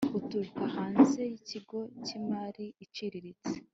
uturuka hanze y ikigo cy imari iciriritse